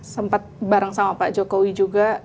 sempat bareng sama pak jokowi juga